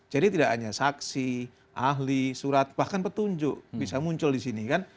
jadi tidak hanya saksi ahli surat bahkan petunjuk bisa muncul di sini kan